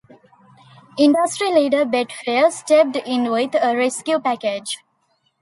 Industry leader Betfair stepped in with a rescue package.